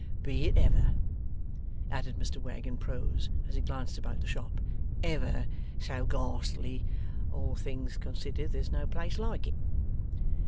Be it ever,' added Mr Wegg in prose as he glanced about the shop, 'ever so ghastly, all things considered there's no place like it.